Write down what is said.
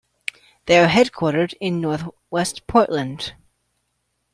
They are headquartered in Northwest Portland.